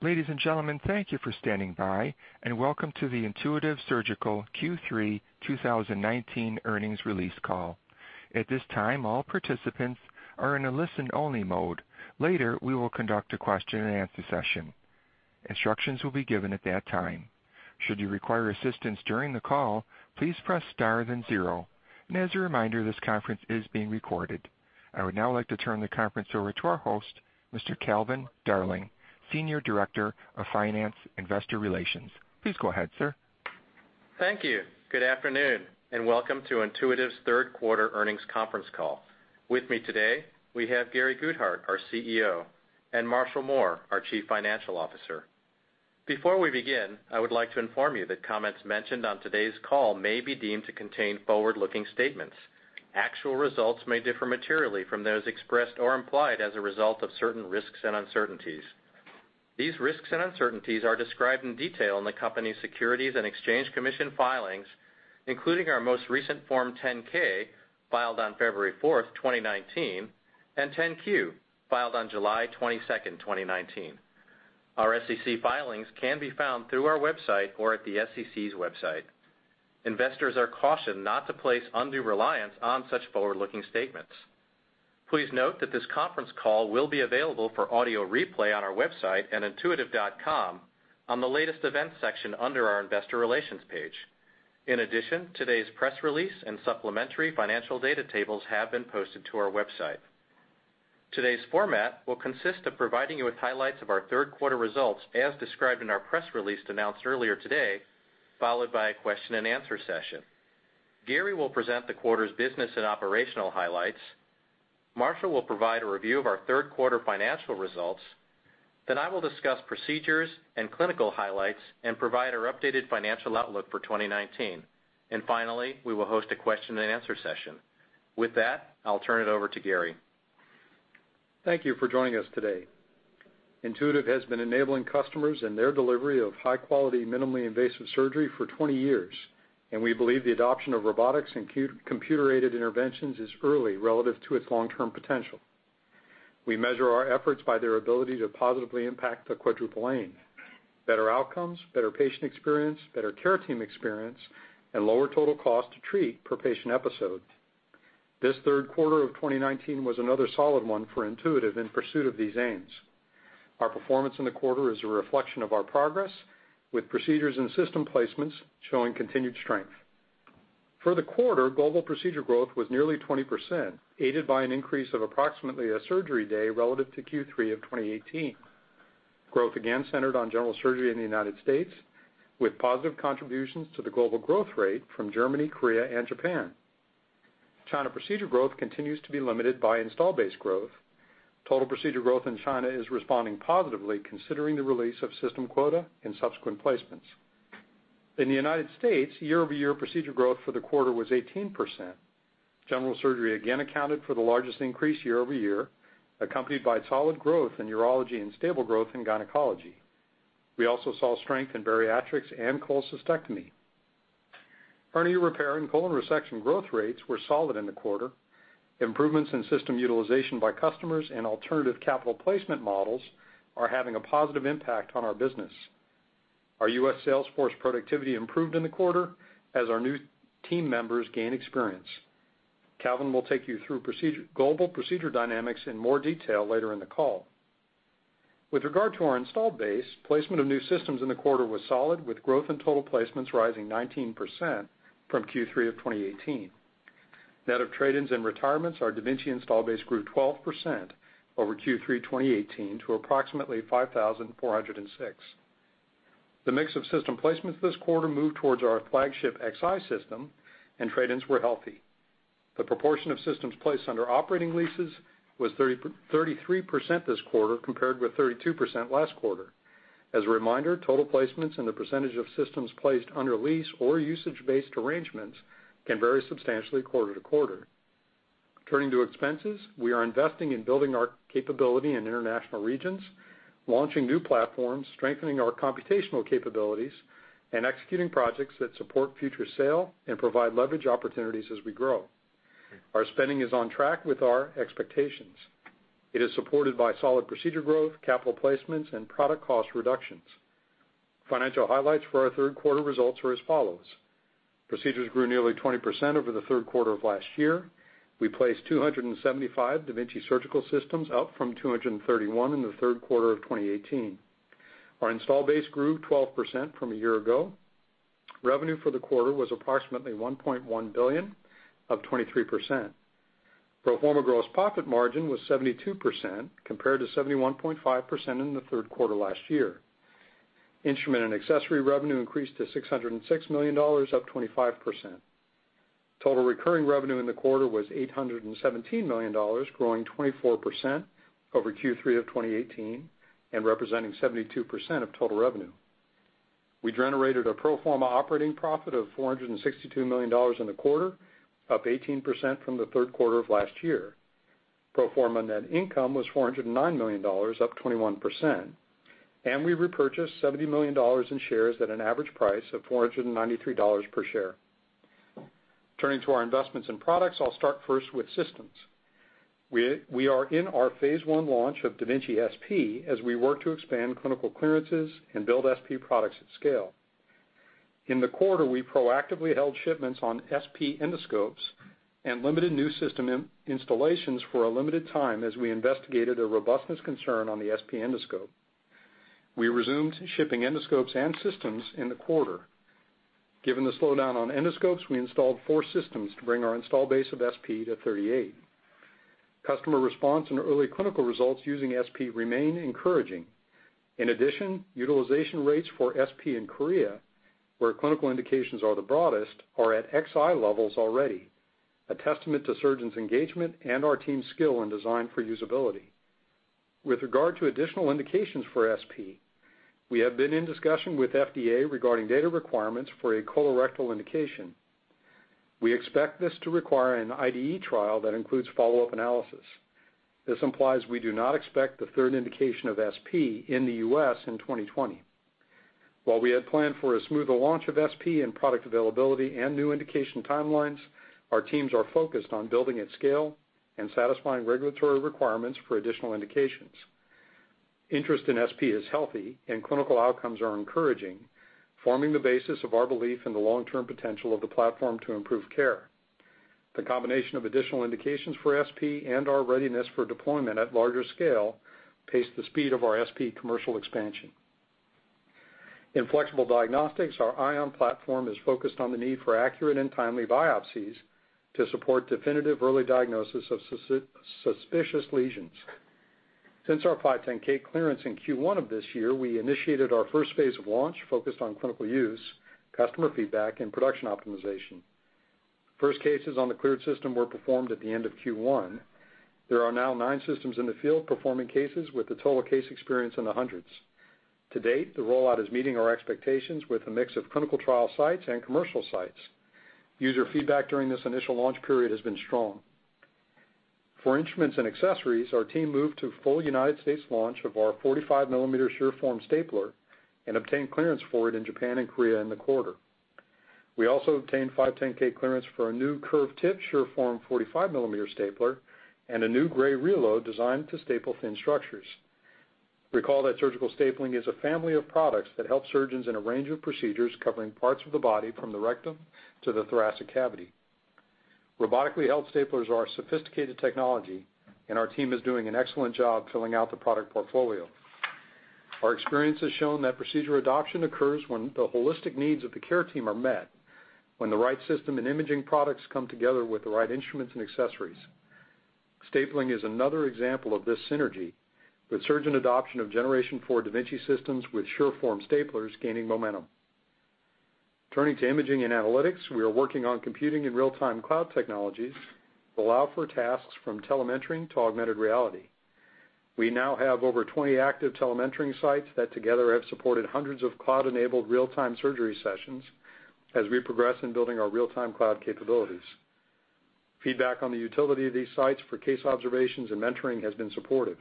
Ladies and gentlemen, thank you for standing by and welcome to the Intuitive Surgical Q3 2019 earnings release call. At this time, all participants are in a listen-only mode. Later, we will conduct a question-and-answer session. Instructions will be given at that time. Should you require assistance during the call, please press star then zero. As a reminder, this conference is being recorded. I would now like to turn the conference over to our host, Mr. Calvin Darling, Senior Director of Finance Investor Relations. Please go ahead, sir. Thank you. Good afternoon and welcome to Intuitive's third quarter earnings conference call. With me today, we have Gary Guthart, our CEO, and Marshall Mohr, our Chief Financial Officer. Before we begin, I would like to inform you that comments mentioned on today's call may be deemed to contain forward-looking statements. Actual results may differ materially from those expressed or implied as a result of certain risks and uncertainties. These risks and uncertainties are described in detail in the company's Securities and Exchange Commission filings, including our most recent Form 10-K filed on February fourth, 2019, and 10-Q, filed on July 22nd, 2019. Our SEC filings can be found through our website or at the SEC's website. Investors are cautioned not to place undue reliance on such forward-looking statements. Please note that this conference call will be available for audio replay on our website at intuitive.com on the Latest Events section under our Investor Relations page. Today's press release and supplementary financial data tables have been posted to our website. Today's format will consist of providing you with highlights of our third quarter results as described in our press release announced earlier today, followed by a question-and-answer session. Gary will present the quarter's business and operational highlights. Marshall will provide a review of our third quarter financial results. I will discuss procedures and clinical highlights and provide our updated financial outlook for 2019. Finally, we will host a question-and-answer session. With that, I'll turn it over to Gary. Thank you for joining us today. Intuitive has been enabling customers in their delivery of high-quality, minimally invasive surgery for 20 years. We believe the adoption of robotics and computer-aided interventions is early relative to its long-term potential. We measure our efforts by their ability to positively impact the Quadruple Aim, better outcomes, better patient experience, better care team experience, and lower total cost to treat per patient episode. This third quarter of 2019 was another solid one for Intuitive in pursuit of these aims. Our performance in the quarter is a reflection of our progress with procedures and system placements showing continued strength. For the quarter, global procedure growth was nearly 20%, aided by an increase of approximately a surgery day relative to Q3 of 2018. Growth again centered on general surgery in the U.S. with positive contributions to the global growth rate from Germany, Korea, and Japan. China procedure growth continues to be limited by install base growth. Total procedure growth in China is responding positively considering the release of system quota and subsequent placements. In the U.S., year-over-year procedure growth for the quarter was 18%. General surgery again accounted for the largest increase year-over-year, accompanied by solid growth in urology and stable growth in gynecology. We also saw strength in bariatrics and cholecystectomy. Hernia repair and colon resection growth rates were solid in the quarter. Improvements in system utilization by customers and alternative capital placement models are having a positive impact on our business. Our U.S. sales force productivity improved in the quarter as our new team members gain experience. Calvin will take you through global procedure dynamics in more detail later in the call. With regard to our installed base, placement of new systems in the quarter was solid with growth in total placements rising 19% from Q3 of 2018. Net of trade-ins and retirements, our da Vinci install base grew 12% over Q3 2018 to approximately 5,406. The mix of system placements this quarter moved towards our flagship Xi system and trade-ins were healthy. The proportion of systems placed under operating leases was 33% this quarter, compared with 32% last quarter. As a reminder, total placements and the percentage of systems placed under lease or usage-based arrangements can vary substantially quarter to quarter. Turning to expenses, we are investing in building our capability in international regions, launching new platforms, strengthening our computational capabilities, and executing projects that support future sale and provide leverage opportunities as we grow. Our spending is on track with our expectations. It is supported by solid procedure growth, capital placements, and product cost reductions. Financial highlights for our third quarter results are as follows. Procedures grew nearly 20% over the third quarter of last year. We placed 275 da Vinci surgical systems, up from 231 in the third quarter of 2018. Our install base grew 12% from a year ago. Revenue for the quarter was approximately $1.1 billion, up 23%. Pro forma gross profit margin was 72%, compared to 71.5% in the third quarter last year. Instrument and accessory revenue increased to $606 million, up 25%. Total recurring revenue in the quarter was $817 million, growing 24% over Q3 of 2018 and representing 72% of total revenue. We generated a pro forma operating profit of $462 million in the quarter, up 18% from the third quarter of last year. Pro forma net income was $409 million, up 21%. We repurchased $70 million in shares at an average price of $493 per share. Turning to our investments in products, I'll start first with systems. We are in our phase one launch of da Vinci SP as we work to expand clinical clearances and build SP products at scale. In the quarter, we proactively held shipments on SP endoscopes and limited new system installations for a limited time as we investigated a robustness concern on the SP endoscope. We resumed shipping endoscopes and systems in the quarter. Given the slowdown on endoscopes, we installed four systems to bring our install base of SP to 38. Customer response and early clinical results using SP remain encouraging. In addition, utilization rates for SP in Korea, where clinical indications are the broadest, are at Xi levels already, a testament to surgeons' engagement and our team's skill in design for usability. With regard to additional indications for SP, we have been in discussion with FDA regarding data requirements for a colorectal indication. We expect this to require an IDE trial that includes follow-up analysis. This implies we do not expect the third indication of SP in the U.S. in 2020. While we had planned for a smoother launch of SP and product availability and new indication timelines, our teams are focused on building at scale and satisfying regulatory requirements for additional indications. Interest in SP is healthy and clinical outcomes are encouraging, forming the basis of our belief in the long-term potential of the platform to improve care. The combination of additional indications for SP and our readiness for deployment at larger scale pace the speed of our SP commercial expansion. In flexible diagnostics, our Ion platform is focused on the need for accurate and timely biopsies to support definitive early diagnosis of suspicious lesions. Since our 510(k) clearance in Q1 of this year, we initiated our first phase of launch focused on clinical use, customer feedback, and production optimization. First cases on the cleared system were performed at the end of Q1. There are now nine systems in the field performing cases with the total case experience in the hundreds. To date, the rollout is meeting our expectations with a mix of clinical trial sites and commercial sites. User feedback during this initial launch period has been strong. For instruments and accessories, our team moved to full U.S. launch of our 45-millimeter SureForm stapler and obtained clearance for it in Japan and Korea in the quarter. We also obtained 510(k) clearance for a new curved tip SureForm 45-millimeter stapler and a new gray reload designed to staple thin structures. Recall that surgical stapling is a family of products that help surgeons in a range of procedures covering parts of the body from the rectum to the thoracic cavity. Robotically held staplers are a sophisticated technology, and our team is doing an excellent job filling out the product portfolio. Our experience has shown that procedure adoption occurs when the holistic needs of the care team are met, when the right system and imaging products come together with the right instruments and accessories. Stapling is another example of this synergy with surgeon adoption of generation four da Vinci systems with SureForm staplers gaining momentum. Turning to imaging and analytics, we are working on computing and real-time cloud technologies that allow for tasks from telementoring to augmented reality. We now have over 20 active telementoring sites that together have supported hundreds of cloud-enabled real-time surgery sessions as we progress in building our real-time cloud capabilities. Feedback on the utility of these sites for case observations and mentoring has been supportive.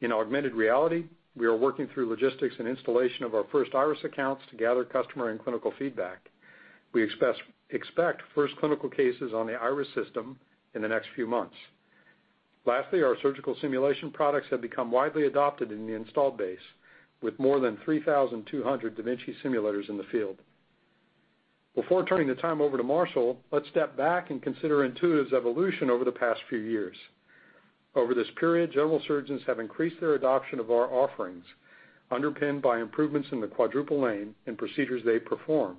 In augmented reality, we are working through logistics and installation of our first Iris accounts to gather customer and clinical feedback. We expect first clinical cases on the Iris system in the next few months. Lastly, our surgical simulation products have become widely adopted in the installed base, with more than 3,200 da Vinci simulators in the field. Before turning the time over to Marshall, let's step back and consider Intuitive's evolution over the past few years. Over this period, general surgeons have increased their adoption of our offerings, underpinned by improvements in the Quadruple Aim and procedures they perform.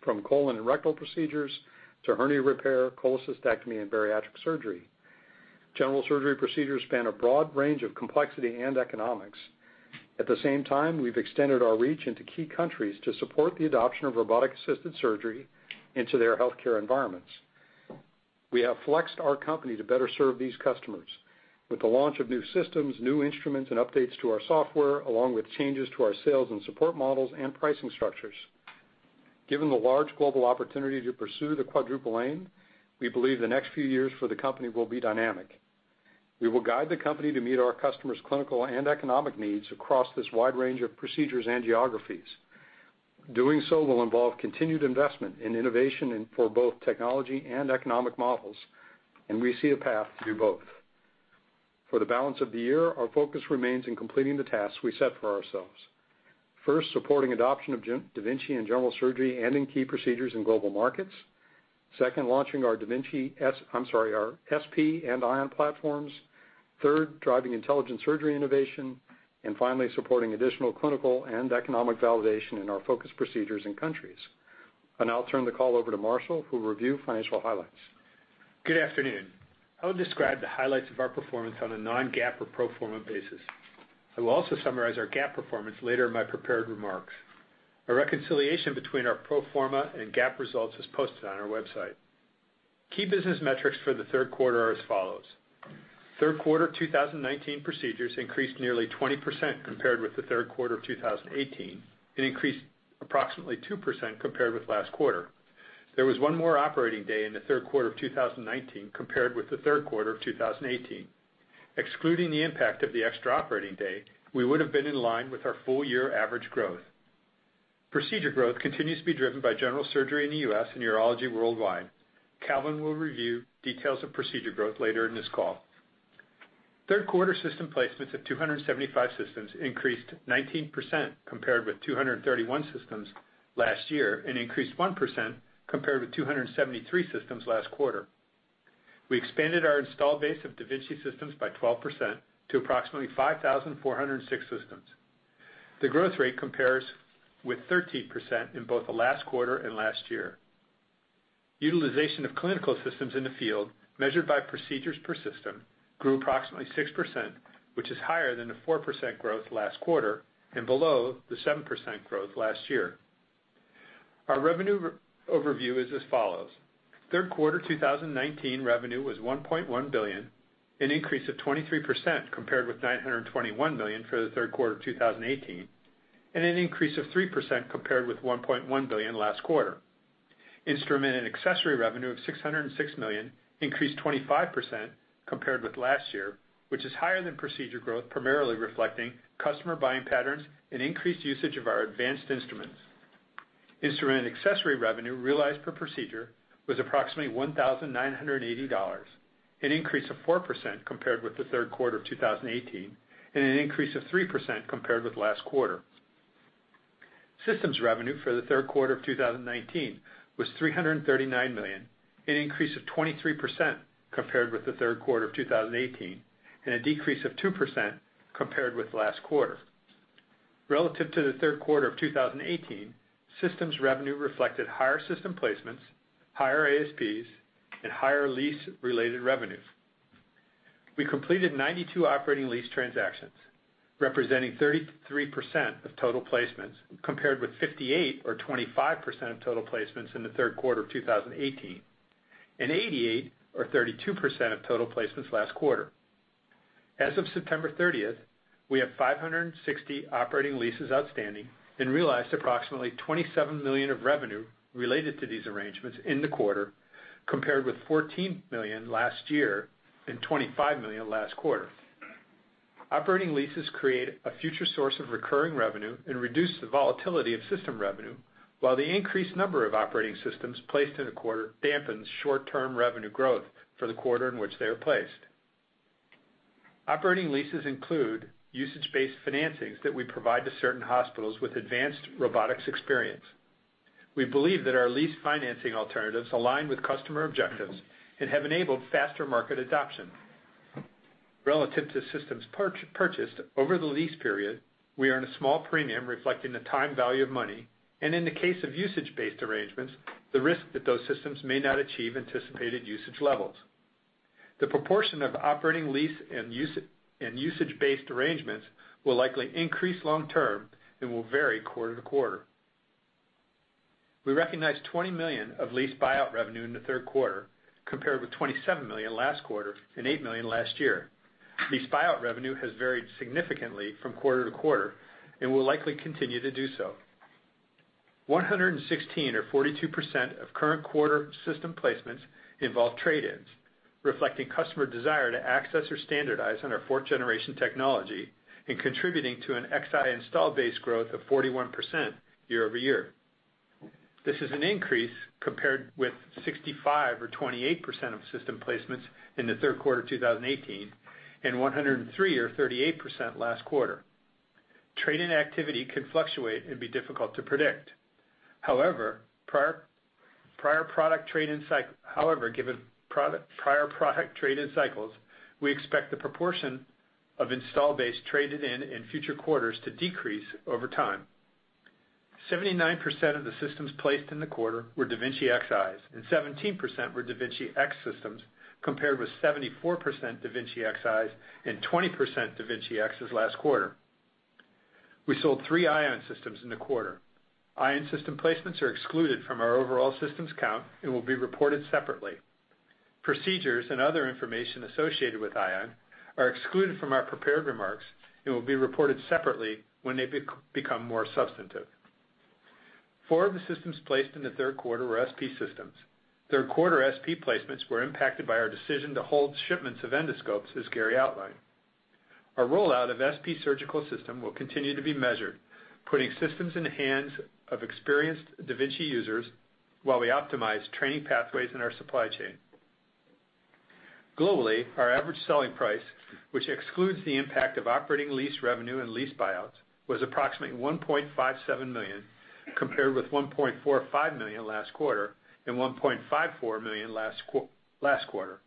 From colon and rectal procedures to hernia repair, cholecystectomy, and bariatric surgery. General surgery procedures span a broad range of complexity and economics. At the same time, we've extended our reach into key countries to support the adoption of robotic-assisted surgery into their healthcare environments. We have flexed our company to better serve these customers with the launch of new systems, new instruments, and updates to our software, along with changes to our sales and support models and pricing structures. Given the large global opportunity to pursue the Quadruple Aim, we believe the next few years for the company will be dynamic. We will guide the company to meet our customers' clinical and economic needs across this wide range of procedures and geographies. Doing so will involve continued investment in innovation and for both technology and economic models, and we see a path to do both. For the balance of the year, our focus remains in completing the tasks we set for ourselves. First, supporting adoption of da Vinci in general surgery and in key procedures in global markets. Second, launching our da Vinci SP and Ion platforms. Third, driving intelligent surgery innovation. Finally, supporting additional clinical and economic validation in our focus procedures and countries. I'll now turn the call over to Marshall, who will review financial highlights. Good afternoon. I will describe the highlights of our performance on a non-GAAP or pro forma basis. I will also summarize our GAAP performance later in my prepared remarks. A reconciliation between our pro forma and GAAP results is posted on our website. Key business metrics for the third quarter are as follows. Third quarter 2019 procedures increased nearly 20% compared with the third quarter of 2018, and increased approximately 2% compared with last quarter. There was one more operating day in the third quarter of 2019 compared with the third quarter of 2018. Excluding the impact of the extra operating day, we would've been in line with our full-year average growth. Procedure growth continues to be driven by general surgery in the U.S. and urology worldwide. Calvin will review details of procedure growth later in this call. Third quarter system placements of 275 systems increased 19% compared with 231 systems last year and increased 1% compared with 273 systems last quarter. We expanded our installed base of da Vinci systems by 12% to approximately 5,406 systems. The growth rate compares with 13% in both the last quarter and last year. Utilization of clinical systems in the field measured by procedures per system grew approximately 6%, which is higher than the 4% growth last quarter and below the 7% growth last year. Our revenue overview is as follows. Third quarter 2019 revenue was $1.1 billion, an increase of 23% compared with $921 million for the third quarter 2018, and an increase of 3% compared with $1.1 billion last quarter. Instrument and accessory revenue of $606 million increased 25% compared with last year, which is higher than procedure growth, primarily reflecting customer buying patterns and increased usage of our advanced instruments. Instrument and accessory revenue realized per procedure was approximately $1,980, an increase of 4% compared with the third quarter of 2018, and an increase of 3% compared with last quarter. Systems revenue for the third quarter of 2019 was $339 million, an increase of 23% compared with the third quarter of 2018, and a decrease of 2% compared with last quarter. Relative to the third quarter of 2018, systems revenue reflected higher system placements, higher ASPs, and higher lease-related revenues. We completed 92 operating lease transactions representing 33% of total placements, compared with 58 or 25% of total placements in the third quarter of 2018, and 88 or 32% of total placements last quarter. As of September 30th, we have 560 operating leases outstanding and realized approximately $27 million of revenue related to these arrangements in the quarter, compared with $14 million last year and $25 million last quarter. Operating leases create a future source of recurring revenue and reduce the volatility of system revenue while the increased number of operating systems placed in the quarter dampens short-term revenue growth for the quarter in which they are placed. Operating leases include usage-based financings that we provide to certain hospitals with advanced robotics experience. We believe that our lease financing alternatives align with customer objectives and have enabled faster market adoption. Relative to systems purchased over the lease period, we earn a small premium reflecting the time value of money, and in the case of usage-based arrangements, the risk that those systems may not achieve anticipated usage levels. The proportion of operating lease and usage-based arrangements will likely increase long term and will vary quarter to quarter. We recognized $20 million of lease buyout revenue in the third quarter, compared with $27 million last quarter and $8 million last year. Lease buyout revenue has varied significantly from quarter to quarter and will likely continue to do so. 116 or 42% of current quarter system placements involve trade-ins reflecting customer desire to access or standardize on our fourth-generation technology and contributing to an Xi install base growth of 41% year-over-year. This is an increase compared with 65 or 28% of system placements in the third quarter 2018 and 103 or 38% last quarter. Trade-in activity can fluctuate and be difficult to predict. However, given prior product trade-in cycles, we expect the proportion of install base traded in in future quarters to decrease over time. 79% of the systems placed in the quarter were da Vinci Xis, and 17% were da Vinci X systems, compared with 74% da Vinci Xis and 20% da Vinci Xs last quarter. We sold three Ion systems in the quarter. Ion system placements are excluded from our overall systems count and will be reported separately. Procedures and other information associated with Ion are excluded from our prepared remarks and will be reported separately when they become more substantive. Four of the systems placed in the third quarter were SP systems. Third quarter SP placements were impacted by our decision to hold shipments of endoscopes as Gary outlined. Our rollout of SP surgical system will continue to be measured, putting systems in the hands of experienced da Vinci users while we optimize training pathways in our supply chain. Globally, our average selling price, which excludes the impact of operating lease revenue and lease buyouts, was approximately $1.57 million, compared with $1.45 million last quarter and $1.54 million last quarter.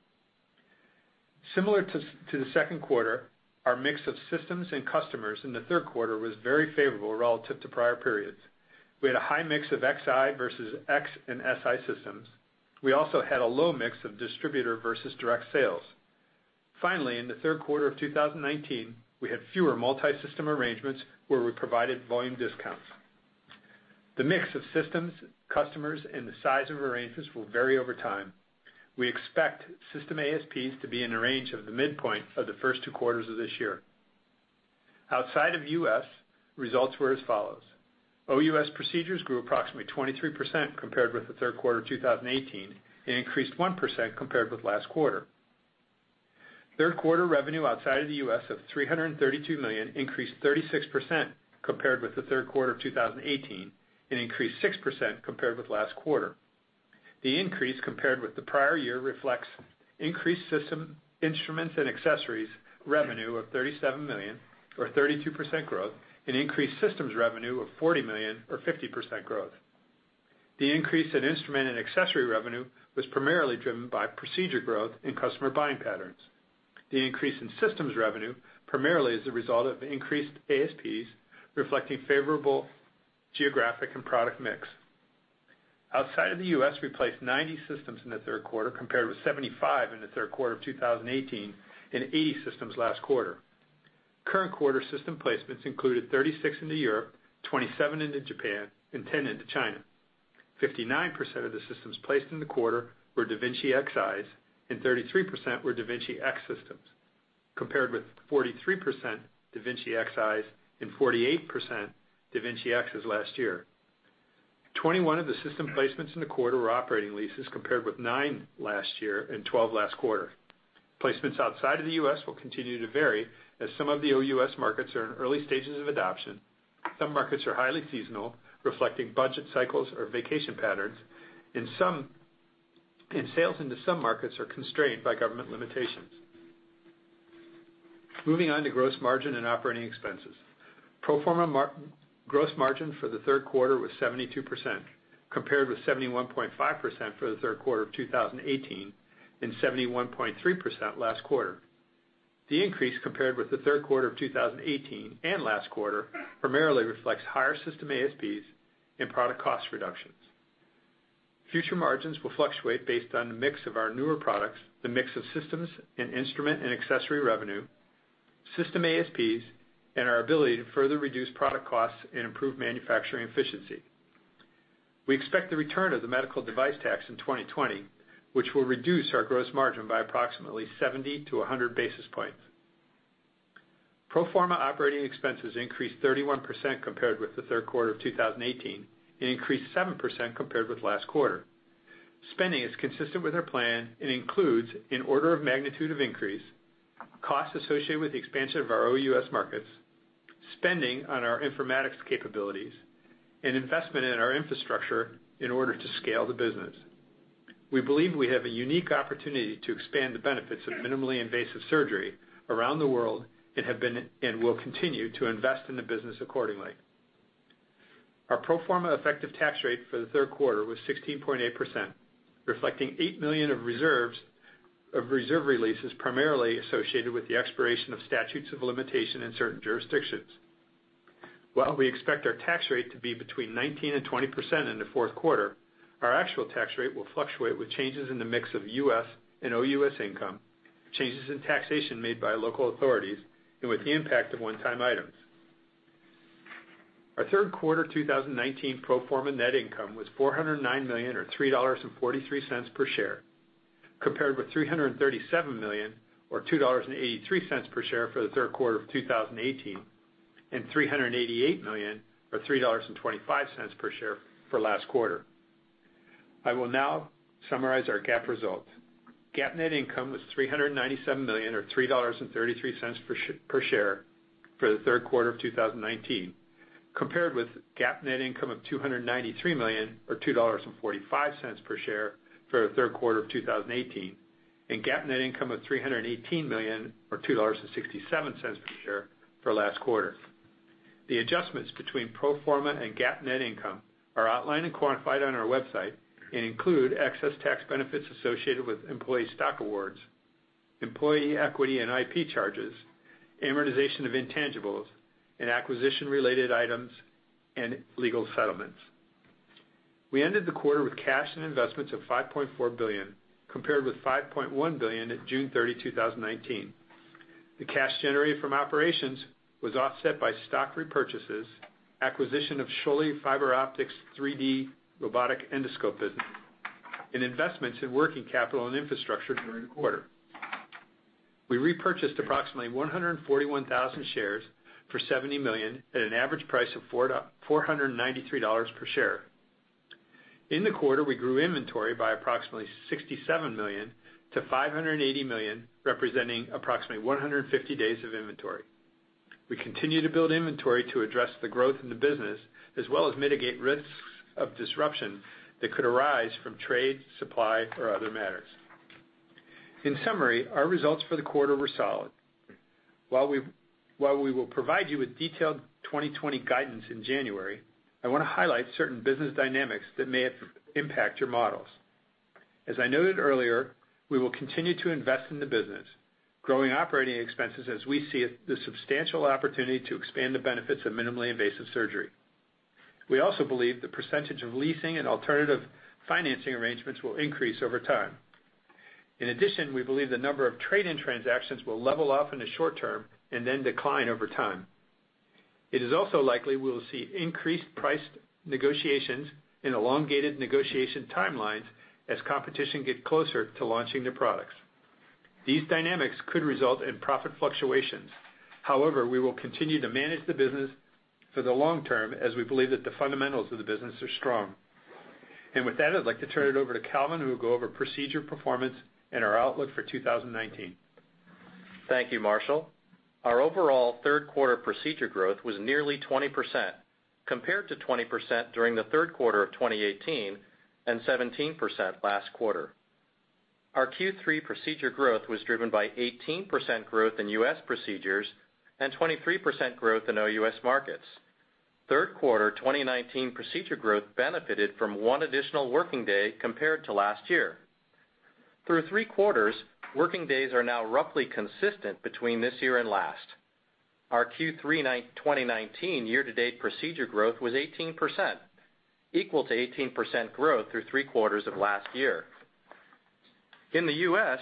Similar to the second quarter, our mix of systems and customers in the third quarter was very favorable relative to prior periods. We had a high mix of Xi versus X and Si systems. We also had a low mix of distributor versus direct sales. Finally, in the third quarter of 2019, we had fewer multisystem arrangements where we provided volume discounts. The mix of systems, customers, and the size of arrangements will vary over time. We expect system ASPs to be in the range of the midpoint of the first two quarters of this year. Outside of U.S., results were as follows: OUS procedures grew approximately 23% compared with the third quarter 2018, and increased 1% compared with last quarter. Third quarter revenue outside of the U.S. of $332 million increased 36% compared with the third quarter of 2018, and increased 6% compared with last quarter. The increase compared with the prior year reflects increased system instruments and accessories revenue of $37 million or 32% growth and increased systems revenue of $40 million or 50% growth. The increase in instrument and accessory revenue was primarily driven by procedure growth and customer buying patterns. The increase in systems revenue primarily is the result of increased ASPs reflecting favorable geographic and product mix. Outside of the U.S., we placed 90 systems in the third quarter compared with 75 in the third quarter of 2018 and 80 systems last quarter. Current quarter system placements included 36 into Europe, 27 into Japan, and 10 into China. 59% of the systems placed in the quarter were da Vinci Xis and 33% were da Vinci X systems, compared with 43% da Vinci Xis and 48% da Vinci Xs last year. 21 of the system placements in the quarter were operating leases compared with 9 last year and 12 last quarter. Placements outside of the U.S. will continue to vary as some of the OUS markets are in early stages of adoption. Some markets are highly seasonal, reflecting budget cycles or vacation patterns, and sales into some markets are constrained by government limitations. Moving on to gross margin and operating expenses. Pro forma gross margin for the third quarter was 72%, compared with 71.5% for the third quarter of 2018 and 71.3% last quarter. The increase compared with the third quarter of 2018 and last quarter primarily reflects higher system ASPs and product cost reductions. Future margins will fluctuate based on the mix of our newer products, the mix of systems and instrument and accessory revenue, system ASPs, and our ability to further reduce product costs and improve manufacturing efficiency. We expect the return of the medical device tax in 2020, which will reduce our gross margin by approximately 70-100 basis points. Pro forma operating expenses increased 31% compared with the third quarter of 2018 and increased 7% compared with last quarter. Spending is consistent with our plan and includes, in order of magnitude of increase, costs associated with the expansion of our OUS markets, spending on our informatics capabilities, and investment in our infrastructure in order to scale the business. We believe we have a unique opportunity to expand the benefits of minimally invasive surgery around the world, and will continue to invest in the business accordingly. Our pro forma effective tax rate for the third quarter was 16.8%, reflecting $8 million of reserve releases primarily associated with the expiration of statutes of limitation in certain jurisdictions. While we expect our tax rate to be between 19% and 20% in the fourth quarter, our actual tax rate will fluctuate with changes in the mix of U.S. and OUS income, changes in taxation made by local authorities, and with the impact of one-time items. Our third quarter 2019 pro forma net income was $409 million or $3.43 per share, compared with $337 million or $2.83 per share for the third quarter of 2018, and $388 million or $3.25 per share for last quarter. I will now summarize our GAAP results. GAAP net income was $397 million or $3.33 per share for the third quarter of 2019, compared with GAAP net income of $293 million or $2.45 per share for the third quarter of 2018, and GAAP net income of $318 million or $2.67 per share for last quarter. The adjustments between pro forma and GAAP net income are outlined and quantified on our website and include excess tax benefits associated with employee stock awards, employee equity and IP charges, amortization of intangibles, and acquisition related items and legal settlements. We ended the quarter with cash and investments of $5.4 billion, compared with $5.1 billion at June 30th, 2019. The cash generated from operations was offset by stock repurchases, acquisition of Schölly Fiberoptic's 3D robotic endoscope business, and investments in working capital and infrastructure during the quarter. We repurchased approximately 141,000 shares for $70 million at an average price of $493 per share. In the quarter, we grew inventory by approximately $67 million to $580 million, representing approximately 150 days of inventory. We continue to build inventory to address the growth in the business, as well as mitigate risks of disruption that could arise from trade, supply, or other matters. In summary, our results for the quarter were solid. While we will provide you with detailed 2020 guidance in January, I want to highlight certain business dynamics that may impact your models. As I noted earlier, we will continue to invest in the business, growing operating expenses as we see the substantial opportunity to expand the benefits of minimally invasive surgery. We also believe the percentage of leasing and alternative financing arrangements will increase over time. We believe the number of trade-in transactions will level off in the short term and then decline over time. It is also likely we will see increased price negotiations and elongated negotiation timelines as competition get closer to launching their products. These dynamics could result in profit fluctuations. We will continue to manage the business for the long term, as we believe that the fundamentals of the business are strong. With that, I'd like to turn it over to Calvin, who will go over procedure performance and our outlook for 2019. Thank you, Marshall. Our overall third quarter procedure growth was nearly 20%, compared to 20% during the third quarter of 2018 and 17% last quarter. Our Q3 procedure growth was driven by 18% growth in U.S. procedures and 23% growth in OUS markets. Third quarter 2019 procedure growth benefited from one additional working day compared to last year. Through three quarters, working days are now roughly consistent between this year and last. Our Q3 2019 year-to-date procedure growth was 18%, equal to 18% growth through three quarters of last year. In the U.S.,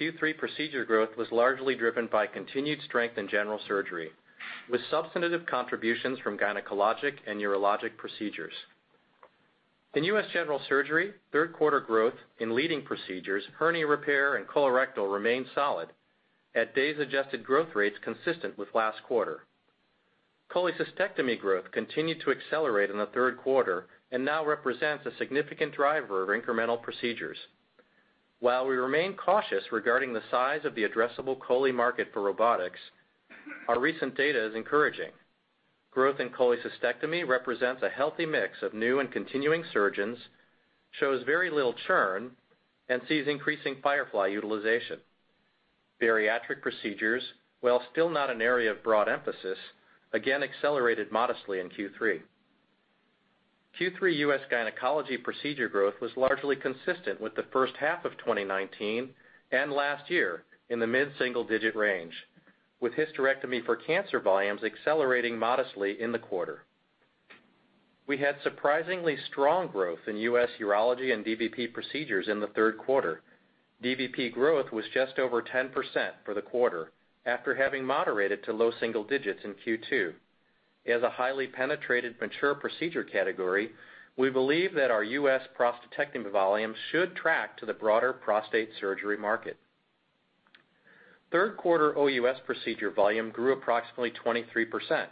Q3 procedure growth was largely driven by continued strength in general surgery, with substantive contributions from gynecologic and urologic procedures. In U.S. general surgery, third quarter growth in leading procedures, hernia repair and colorectal remained solid at days adjusted growth rates consistent with last quarter. Cholecystectomy growth continued to accelerate in the third quarter and now represents a significant driver of incremental procedures. While we remain cautious regarding the size of the addressable chole market for robotics, our recent data is encouraging. Growth in cholecystectomy represents a healthy mix of new and continuing surgeons, shows very little churn, and sees increasing Firefly utilization. bariatric procedures, while still not an area of broad emphasis, again accelerated modestly in Q3. Q3 U.S. gynecology procedure growth was largely consistent with the first half of 2019 and last year in the mid-single-digit range, with hysterectomy for cancer volumes accelerating modestly in the quarter. We had surprisingly strong growth in U.S. urology and dVP procedures in the third quarter. dVP growth was just over 10% for the quarter after having moderated to low single digits in Q2. As a highly penetrated mature procedure category, we believe that our U.S. prostatectomy volume should track to the broader prostate surgery market. Third quarter OUS procedure volume grew approximately 23%,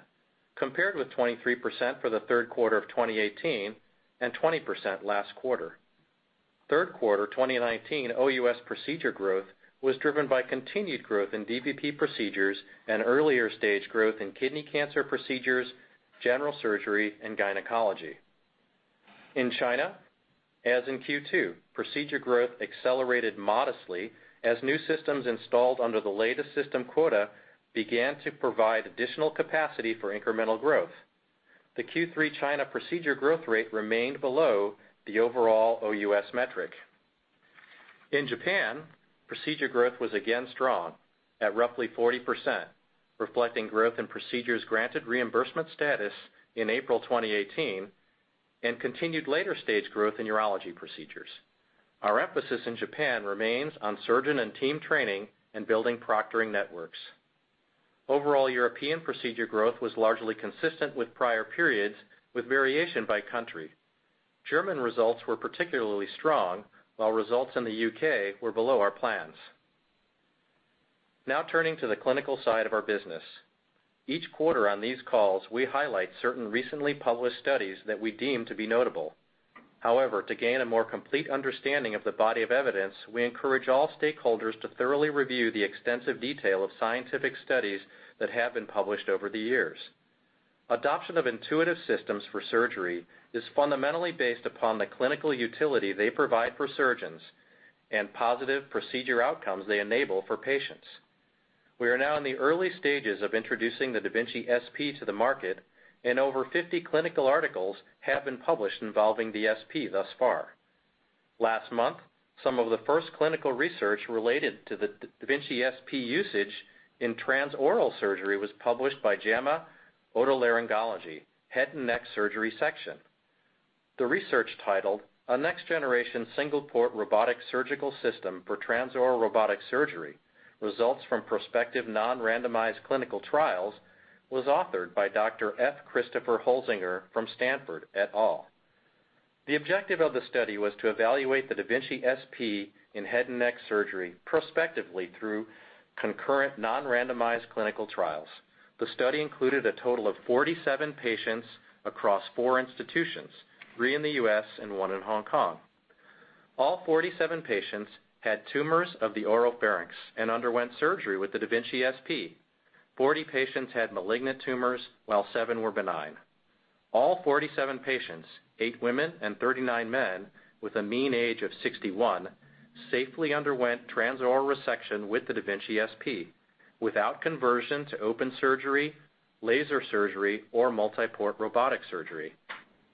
compared with 23% for the third quarter of 2018 and 20% last quarter. Third quarter 2019 OUS procedure growth was driven by continued growth in dVP procedures and earlier stage growth in kidney cancer procedures, general surgery, and gynecology. In China, as in Q2, procedure growth accelerated modestly as new systems installed under the latest system quota began to provide additional capacity for incremental growth. The Q3 China procedure growth rate remained below the overall OUS metric. In Japan, procedure growth was again strong at roughly 40%, reflecting growth in procedures granted reimbursement status in April 2018 and continued later-stage growth in urology procedures. Our emphasis in Japan remains on surgeon and team training and building proctoring networks. Overall European procedure growth was largely consistent with prior periods, with variation by country. German results were particularly strong, while results in the U.K. were below our plans. Turning to the clinical side of our business. Each quarter on these calls, we highlight certain recently published studies that we deem to be notable. However, to gain a more complete understanding of the body of evidence, we encourage all stakeholders to thoroughly review the extensive detail of scientific studies that have been published over the years. Adoption of Intuitive systems for surgery is fundamentally based upon the clinical utility they provide for surgeons and positive procedure outcomes they enable for patients. We are now in the early stages of introducing the da Vinci SP to the market, and over 50 clinical articles have been published involving the SP thus far. Last month, some of the first clinical research related to the da Vinci SP usage in transoral surgery was published by JAMA Otolaryngology–Head & Neck Surgery section. The research titled, "A Next-Generation Single-Port Robotic Surgical System for Transoral Robotic Surgery: Results from Prospective Nonrandomized Clinical Trials" was authored by Dr. F. Christopher Holsinger from Stanford, et al. The objective of the study was to evaluate the da Vinci SP in head and neck surgery prospectively through concurrent non-randomized clinical trials. The study included a total of 47 patients across four institutions, three in the U.S. and one in Hong Kong. All 47 patients had tumors of the oropharynx and underwent surgery with the da Vinci SP. 40 patients had malignant tumors, while seven were benign. All 47 patients, 8 women and 39 men with a mean age of 61, safely underwent transoral resection with the da Vinci SP without conversion to open surgery, laser surgery, or multi-port robotic surgery.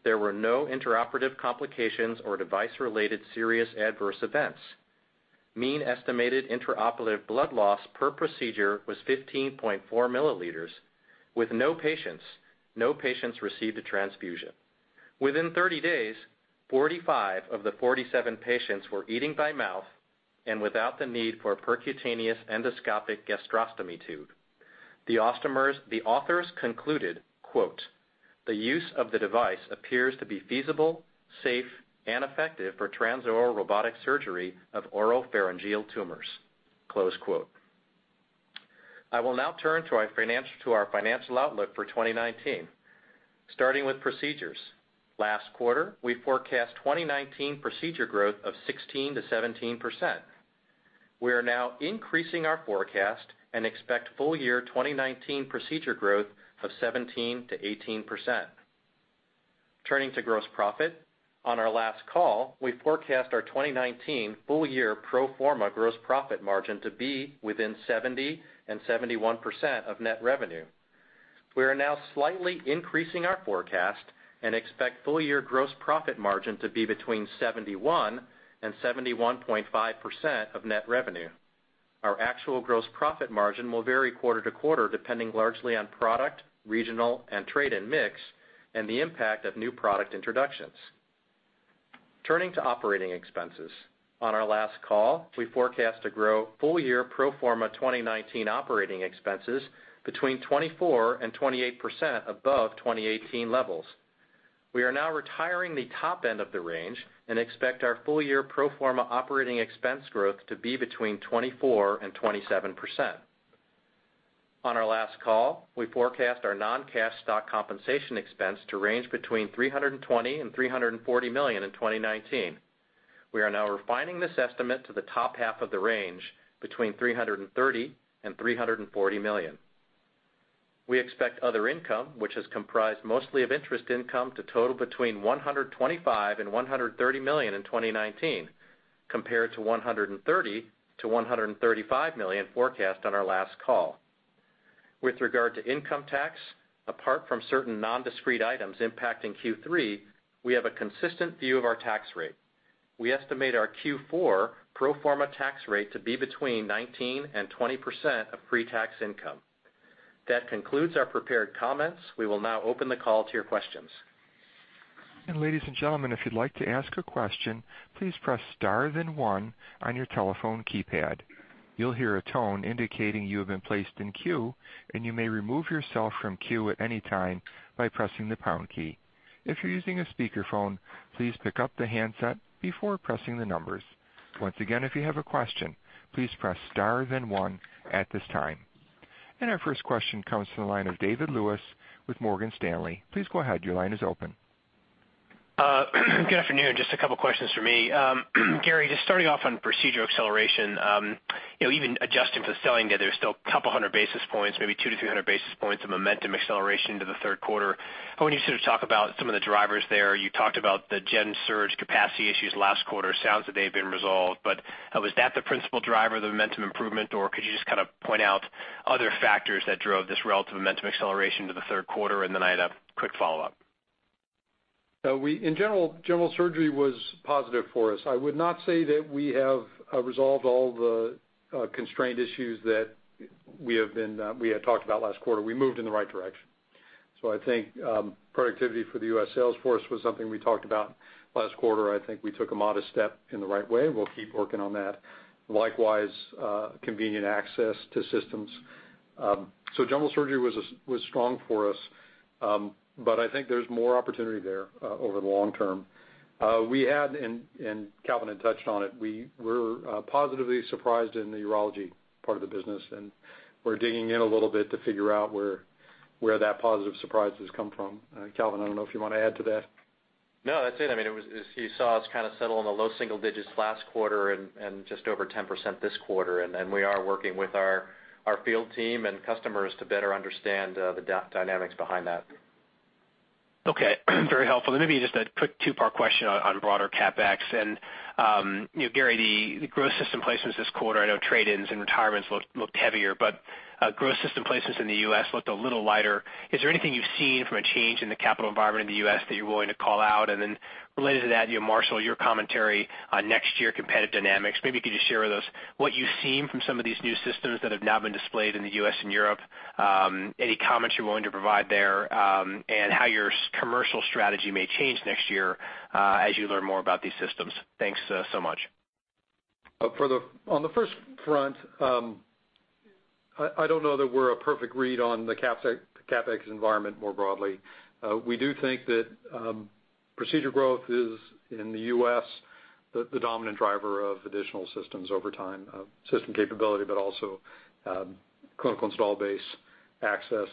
There were no intraoperative complications or device-related serious adverse events. Mean estimated intraoperative blood loss per procedure was 15.4 milliliters, with no patients received a transfusion. Within 30 days, 45 of the 47 patients were eating by mouth and without the need for a percutaneous endoscopic gastrostomy tube. The authors concluded, "The use of the device appears to be feasible, safe, and effective for transoral robotic surgery of oropharyngeal tumors." I will now turn to our financial outlook for 2019. Starting with procedures. Last quarter, we forecast 2019 procedure growth of 16%-17%. We are now increasing our forecast and expect full year 2019 procedure growth of 17%-18%. Turning to gross profit. On our last call, we forecast our 2019 full year pro forma gross profit margin to be within 70% and 71% of net revenue. We are now slightly increasing our forecast and expect full year gross profit margin to be between 71% and 71.5% of net revenue. Our actual gross profit margin will vary quarter to quarter, depending largely on product, regional, and trade and mix, and the impact of new product introductions. Turning to operating expenses. On our last call, we forecast to grow full year pro forma 2019 operating expenses between 24% and 28% above 2018 levels. We are now retiring the top end of the range and expect our full year pro forma operating expense growth to be between 24% and 27%. On our last call, we forecast our non-cash stock compensation expense to range between $320 million and $340 million in 2019. We are now refining this estimate to the top half of the range, between $330 million and $340 million. We expect other income, which is comprised mostly of interest income, to total between $125 million and $130 million in 2019, compared to $130 million to $135 million forecast on our last call. With regard to income tax, apart from certain non-discrete items impacting Q3, we have a consistent view of our tax rate. We estimate our Q4 pro forma tax rate to be between 19% and 20% of pre-tax income. That concludes our prepared comments. We will now open the call to your questions. Ladies and gentlemen, if you'd like to ask a question, please press star then one on your telephone keypad. You'll hear a tone indicating you have been placed in queue, and you may remove yourself from queue at any time by pressing the pound key. If you're using a speakerphone, please pick up the handset before pressing the numbers. Once again, if you have a question, please press star then one at this time. Our first question comes from the line of David Lewis with Morgan Stanley. Please go ahead, your line is open. Good afternoon. Just a couple questions from me. Gary, starting off on procedure acceleration. Even adjusting for the selling there's still a couple hundred basis points, maybe 200 to 300 basis points of momentum acceleration into the third quarter. I wonder if you could just talk about some of the drivers there. You talked about the gen surge capacity issues last quarter. Sounds like they've been resolved, but was that the principal driver of the momentum improvement, or could you just kind of point out other factors that drove this relative momentum acceleration to the third quarter? I had a quick follow-up. In general surgery was positive for us. I would not say that we have resolved all the constraint issues that we had talked about last quarter. We moved in the right direction. I think productivity for the U.S. sales force was something we talked about last quarter. I think we took a modest step in the right way, and we'll keep working on that. Likewise, convenient access to systems. General surgery was strong for us, but I think there's more opportunity there over the long term. We had, and Calvin had touched on it, we were positively surprised in the urology part of the business, and we're digging in a little bit to figure out where that positive surprise has come from. Calvin, I don't know if you want to add to that. No, that's it. You saw us kind of settle in the low single digits last quarter and just over 10% this quarter. We are working with our field team and customers to better understand the dynamics behind that. Okay. Very helpful. Maybe just a quick two-part question on broader CapEx and, Gary, the gross system placements this quarter, I know trade-ins and retirements looked heavier, but gross system placements in the U.S. looked a little lighter. Is there anything you've seen from a change in the capital environment in the U.S. that you're willing to call out? Related to that, Marshall, your commentary on next year competitive dynamics, maybe you could just share with us what you've seen from some of these new systems that have now been displayed in the U.S. and Europe. Any comments you're willing to provide there, and how your commercial strategy may change next year, as you learn more about these systems. Thanks so much. On the first front, I don't know that we're a perfect read on the CapEx environment more broadly. We do think that procedure growth is, in the U.S., the dominant driver of additional systems over time, system capability, but also clinical install base access.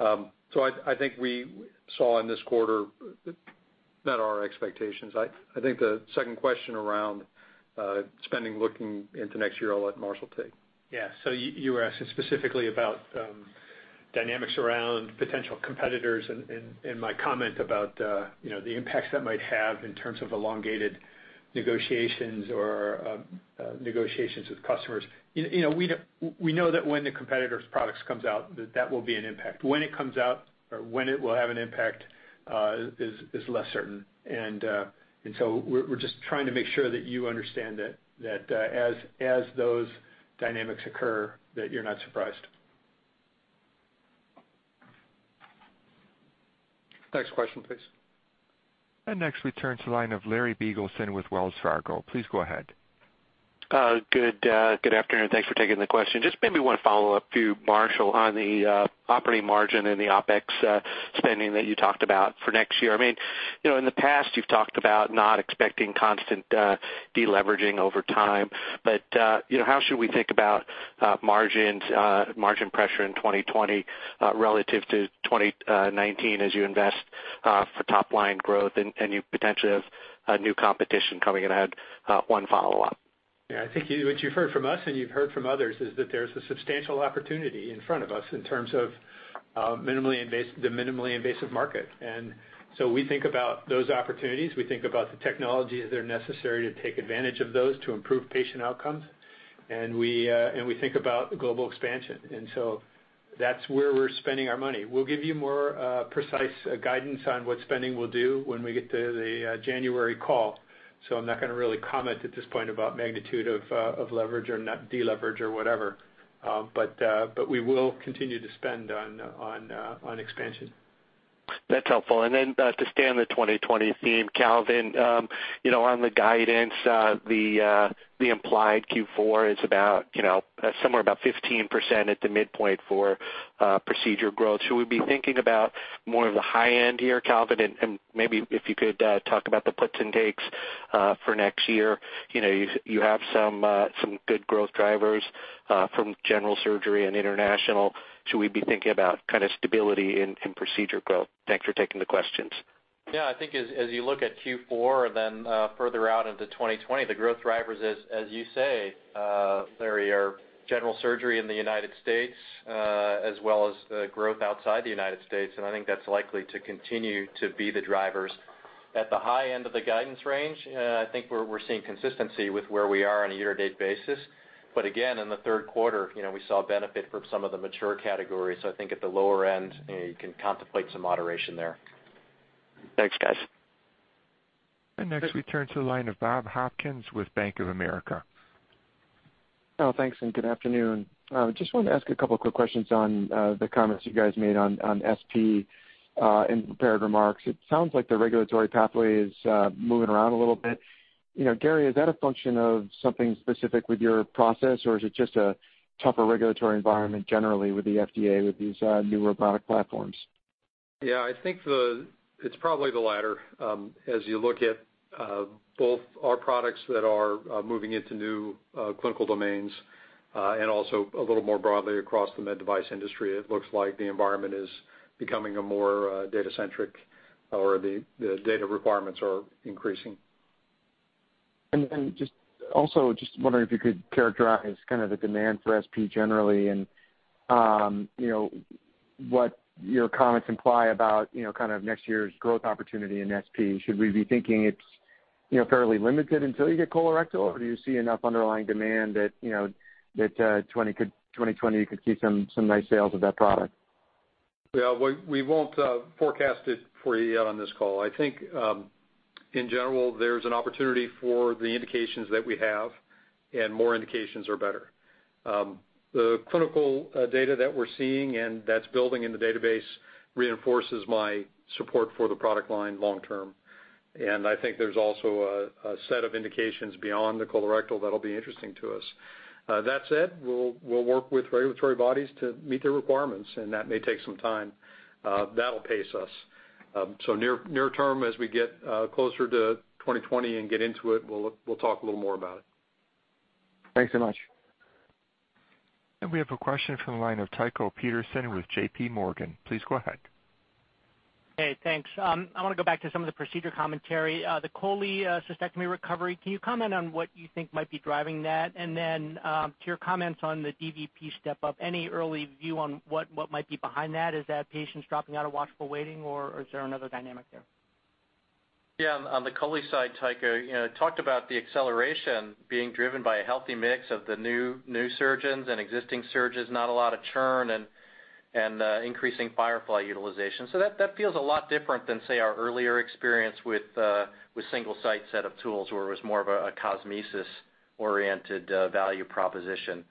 I think we saw in this quarter met our expectations. I think the second question around spending looking into next year, I'll let Marshall take. Yeah, you were asking specifically about dynamics around potential competitors and my comment about the impacts that might have in terms of elongated negotiations or negotiations with customers. We know that when the competitor's products comes out, that that will be an impact. When it comes out or when it will have an impact is less certain. We're just trying to make sure that you understand that as those dynamics occur, that you're not surprised. Next question, please. Next, we turn to the line of Larry Biegelsen with Wells Fargo. Please go ahead. Good afternoon. Thanks for taking the question. Just maybe one follow-up to Marshall on the operating margin and the OpEx spending that you talked about for next year. In the past, you've talked about not expecting constant de-leveraging over time, but how should we think about margin pressure in 2020 relative to 2019 as you invest for top-line growth and you potentially have new competition coming in ahead? One follow-up. I think what you've heard from us and you've heard from others is that there's a substantial opportunity in front of us in terms of the minimally invasive market. We think about those opportunities. We think about the technologies that are necessary to take advantage of those to improve patient outcomes. We think about global expansion. That's where we're spending our money. We'll give you more precise guidance on what spending will do when we get to the January call. I'm not going to really comment at this point about magnitude of leverage or net de-leverage or whatever. We will continue to spend on expansion. That's helpful. To stay on the 2020 theme, Calvin, on the guidance, the implied Q4 is somewhere about 15% at the midpoint for procedure growth. Should we be thinking about more of the high end here, Calvin? Maybe if you could talk about the puts and takes for next year. You have some good growth drivers from general surgery and international. Should we be thinking about kind of stability in procedure growth? Thanks for taking the questions. Yeah, I think as you look at Q4 and then further out into 2020, the growth drivers, as you say, Larry, are general surgery in the United States, as well as the growth outside the United States. I think that's likely to continue to be the drivers. At the high end of the guidance range, I think we're seeing consistency with where we are on a year-to-date basis. Again, in the third quarter, we saw benefit from some of the mature categories. I think at the lower end, you can contemplate some moderation there. Thanks, guys. Next, we turn to the line of Bob Hopkins with Bank of America. Thanks, good afternoon. Just wanted to ask a couple of quick questions on the comments you guys made on SP in the prepared remarks. It sounds like the regulatory pathway is moving around a little bit. Gary, is that a function of something specific with your process, or is it just a tougher regulatory environment generally with the FDA with these new robotic platforms? Yeah, I think it's probably the latter. As you look at both our products that are moving into new clinical domains, and also a little more broadly across the med device industry, it looks like the environment is becoming a more data-centric, or the data requirements are increasing. Also just wondering if you could characterize kind of the demand for SP generally and what your comments imply about kind of next year's growth opportunity in SP. Should we be thinking it's fairly limited until you get colorectal, or do you see enough underlying demand that 2020 could see some nice sales of that product? We won't forecast it for you on this call. I think, in general, there's an opportunity for the indications that we have, and more indications are better. The clinical data that we're seeing and that's building in the database reinforces my support for the product line long term. I think there's also a set of indications beyond the colorectal that'll be interesting to us. That said, we'll work with regulatory bodies to meet their requirements, and that may take some time. That'll pace us. Near term, as we get closer to 2020 and get into it, we'll talk a little more about it. Thanks so much. We have a question from the line of Tycho Peterson with J.P. Morgan. Please go ahead. Hey, thanks. I want to go back to some of the procedure commentary. The cholecystectomy recovery, can you comment on what you think might be driving that? Then to your comments on the dVP step-up, any early view on what might be behind that? Is that patients dropping out of watchful waiting, or is there another dynamic there? On the chole side, Tycho, talked about the acceleration being driven by a healthy mix of the new surgeons and existing surgeons, not a lot of churn, and increasing Firefly utilization. That feels a lot different than, say, our earlier experience with single-site set of tools where it was more of a cosmesis-oriented value proposition.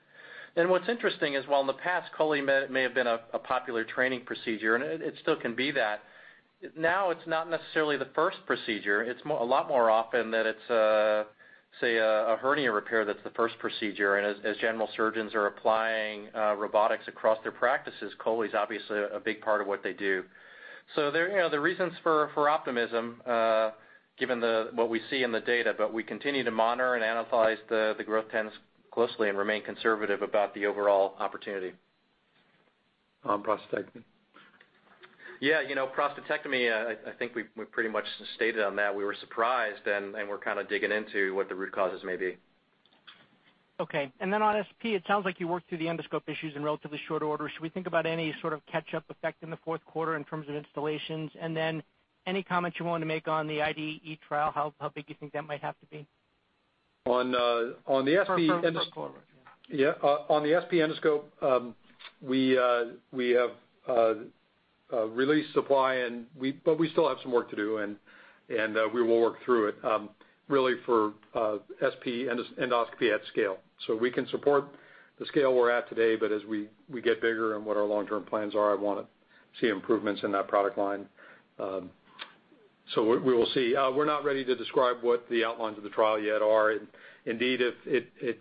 What's interesting is while in the past chole may have been a popular training procedure, and it still can be that, now it's not necessarily the first procedure. It's a lot more often that it's, say, a hernia repair that's the first procedure. As general surgeons are applying robotics across their practices, chole's obviously a big part of what they do. There are reasons for optimism given what we see in the data, but we continue to monitor and analyze the growth trends closely and remain conservative about the overall opportunity. On prostatectomy. Yeah. Prostatectomy, I think we pretty much stated on that. We were surprised, and we're kind of digging into what the root causes may be. Okay. On SP, it sounds like you worked through the endoscope issues in relatively short order. Should we think about any sort of catch-up effect in the fourth quarter in terms of installations? Any comments you wanted to make on the IDE trial, how big you think that might have to be? On the SP. For fourth quarter. Yeah. On the SP endoscope, we have reliable supply, we still have some work to do, we will work through it, really for SP endoscopy at scale. We can support the scale we're at today, as we get bigger and what our long-term plans are, I want to see improvements in that product line. We will see. We're not ready to describe what the outlines of the trial yet are. Indeed, if it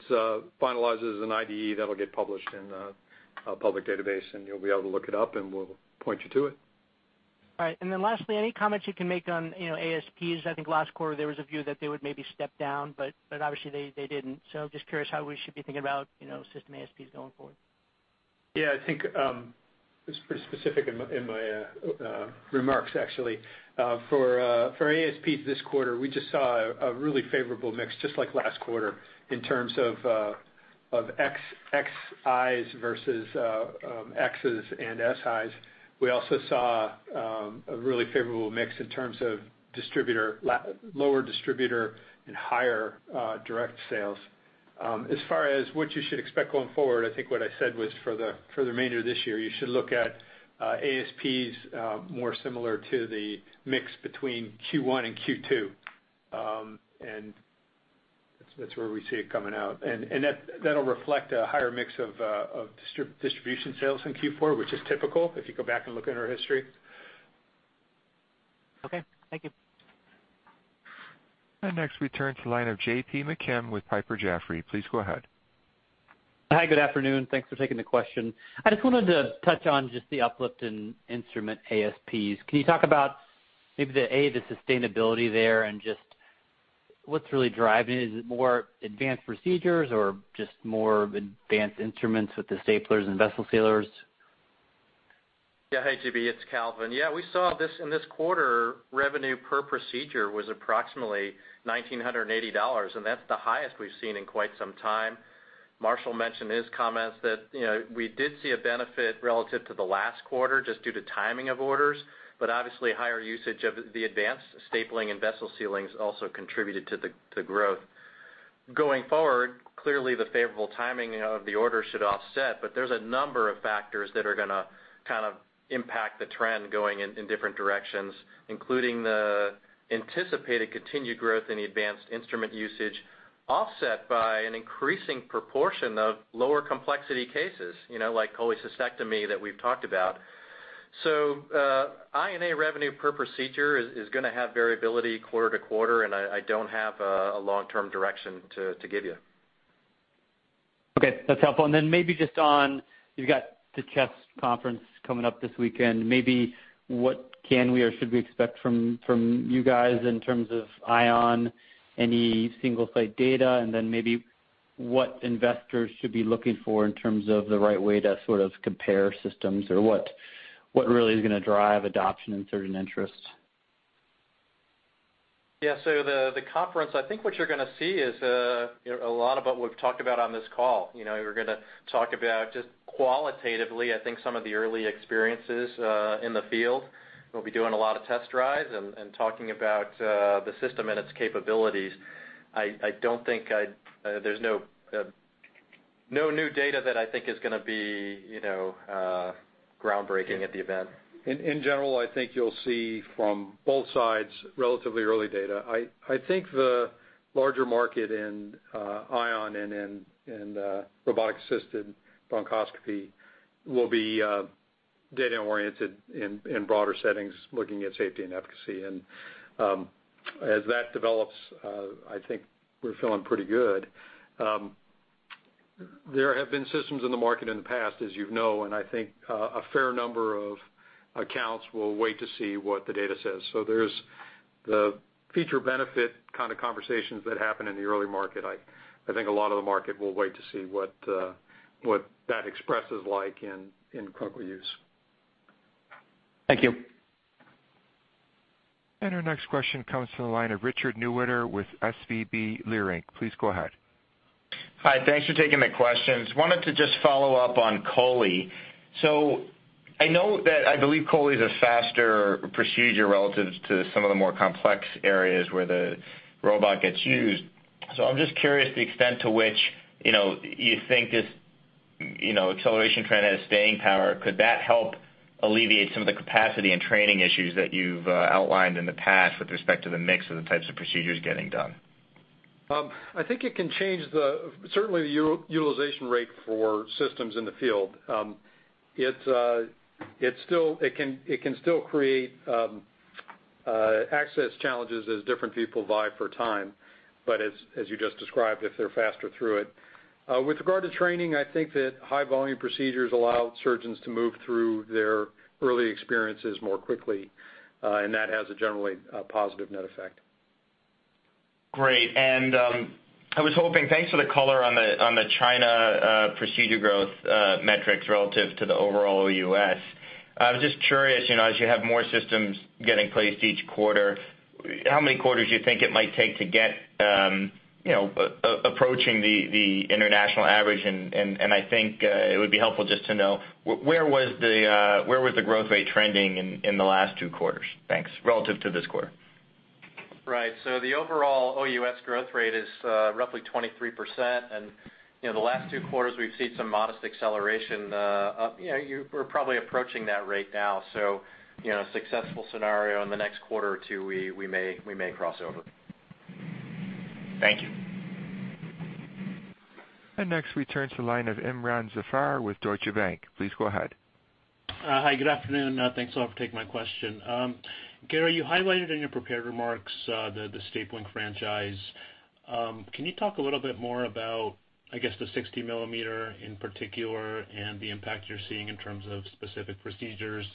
finalizes an IDE, that'll get published in a public database, you'll be able to look it up, we'll point you to it. All right, lastly, any comments you can make on ASPs? I think last quarter there was a view that they would maybe step down, obviously they didn't. Just curious how we should be thinking about system ASPs going forward. Yeah, I think I was pretty specific in my remarks, actually. For ASP this quarter, we just saw a really favorable mix, just like last quarter, in terms of Xis versus Xs and Sis. We also saw a really favorable mix in terms of lower distributor and higher direct sales. As far as what you should expect going forward, I think what I said was for the remainder of this year, you should look at ASPs more similar to the mix between Q1 and Q2. That's where we see it coming out. That'll reflect a higher mix of distribution sales in Q4, which is typical if you go back and look at our history. Okay, thank you. Next we turn to the line of J.P. McKim with Piper Jaffray. Please go ahead. Hi, good afternoon. Thanks for taking the question. I just wanted to touch on just the uplift in instrument ASPs. Can you talk about maybe, A, the sustainability there and just what's really driving it? Is it more advanced procedures or just more advanced instruments with the staplers and vessel sealers? Yeah. Hi, J.P., it's Calvin. Yeah, we saw this in this quarter, revenue per procedure was approximately $1,980, and that's the highest we've seen in quite some time. Marshall mentioned in his comments that we did see a benefit relative to the last quarter just due to timing of orders, obviously higher usage of the advanced stapling and vessel sealings also contributed to the growth. Going forward, clearly the favorable timing of the order should offset, there's a number of factors that are going to kind of impact the trend going in different directions, including the anticipated continued growth in the advanced instrument usage, offset by an increasing proportion of lower complexity cases like cholecystectomy that we've talked about. I&A revenue per procedure is going to have variability quarter to quarter, and I don't have a long-term direction to give you. Okay, that's helpful. Maybe just on, you've got the chest conference coming up this weekend. Maybe what can we or should we expect from you guys in terms of Ion, any single-site data, and then maybe what investors should be looking for in terms of the right way to sort of compare systems or what really is going to drive adoption and certain interests? Yeah, the conference, I think what you're going to see is a lot about what we've talked about on this call. We're going to talk about just qualitatively, I think, some of the early experiences in the field. We'll be doing a lot of test drives and talking about the system and its capabilities. There's no new data that I think is going to be groundbreaking at the event. In general, I think you'll see from both sides relatively early data. I think the larger market in Ion and in robotic-assisted bronchoscopy will be data-oriented in broader settings, looking at safety and efficacy. As that develops, I think we're feeling pretty good. There have been systems in the market in the past, as you know, and I think a fair number of accounts will wait to see what the data says. There's the feature benefit kind of conversations that happen in the early market. I think a lot of the market will wait to see what that expresses like in clinical use. Thank you. Our next question comes from the line of Richard Newitter with SVB Leerink. Please go ahead. Hi, thanks for taking the questions. Wanted to just follow up on Chole. I know that I believe Chole is a faster procedure relative to some of the more complex areas where the robot gets used. I'm just curious the extent to which you think this acceleration trend has staying power. Could that help alleviate some of the capacity and training issues that you've outlined in the past with respect to the mix of the types of procedures getting done? I think it can change certainly the utilization rate for systems in the field. It can still create access challenges as different people vie for time, but as you just described, if they're faster through it. With regard to training, I think that high volume procedures allow surgeons to move through their early experiences more quickly, and that has a generally positive net effect. Great. I was hoping, thanks for the color on the China procedure growth metrics relative to the overall U.S. I was just curious, as you have more systems getting placed each quarter, how many quarters do you think it might take to get approaching the international average? I think it would be helpful just to know where was the growth rate trending in the last two quarters relative to this quarter? Thanks. Right. The overall OUS growth rate is roughly 23%. The last two quarters we've seen some modest acceleration up. We're probably approaching that rate now. Successful scenario in the next quarter or two, we may cross over. Thank you. Next we turn to the line of Imron Zafar with Deutsche Bank. Please go ahead. Hi, good afternoon. Thanks a lot for taking my question. Gary, you highlighted in your prepared remarks the stapling franchise. Can you talk a little bit more about, I guess, the 60 millimeter in particular and the impact you're seeing in terms of specific procedures,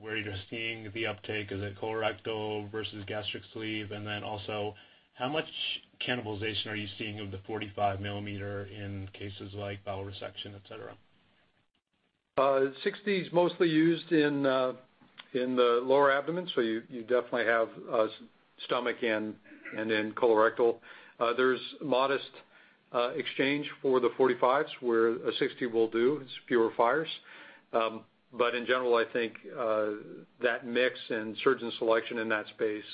where you're seeing the uptake? Is it colorectal versus gastric sleeve? Then also, how much cannibalization are you seeing of the 45 millimeter in cases like bowel resection, et cetera? 60 is mostly used in the lower abdomen, so you definitely have stomach and then colorectal. There's modest exchange for the 45s where a 60 will do, it's fewer fires. In general, I think that mix and surgeon selection in that space